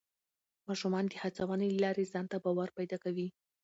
ماشومان د هڅونې له لارې ځان ته باور پیدا کوي